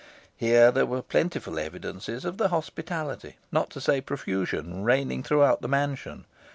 Here there were plentiful evidences of the hospitality, not to say profusion, reigning throughout the mansion.